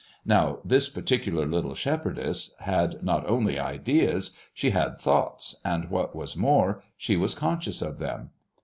Now, this particular little shepherdess had not only ideas, she had thoughts, and what was more, she was conscious of them.